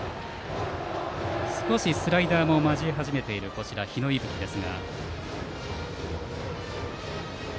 少しスライダーも交え始めている日野勇吹です。